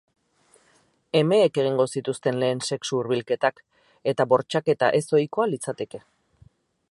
Emeek egingo zituzten lehen sexu-hurbilketak, eta bortxaketa ez-ohikoa litzateke.